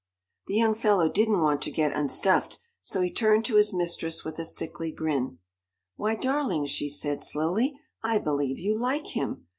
The young fellow didn't want to get unstuffed, so he turned to his mistress with a sickly grin. "Why, darling," she said slowly, "I believe you like him.